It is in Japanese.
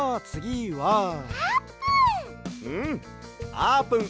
あーぷん！